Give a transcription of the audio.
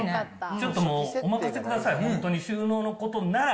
ちょっともう、お任せください、本当に収納のことなら。